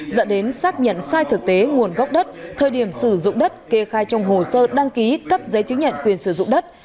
dẫn đến xác nhận sai thực tế nguồn gốc đất thời điểm sử dụng đất kê khai trong hồ sơ đăng ký cấp giấy chứng nhận quyền sử dụng đất